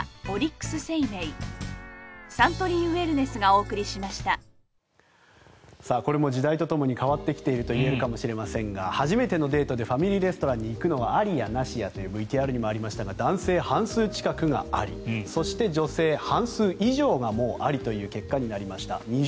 お申し込みはこれも時代とともに変わってきていると言えるかもしれませんが初めてのデートでファミリーレストランに行くのはありやなしやというＶＴＲにもありましたが男性は半数近くもありそして女性、半数以上もありという結果になりました。